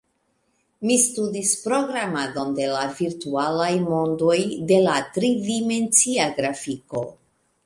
Mi studis programadon de la virtualaj mondoj, de la tridimencia grafiko